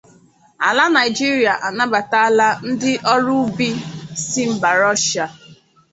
Ala Naịjirịa anabatala ndị ọrụ ubi si mba Rọshịa